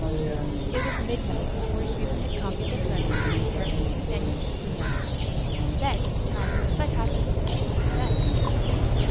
It was midnight before Susan had copied this letter and prepared the two manuscripts for mailing. Then, tired, but happy, she went to bed.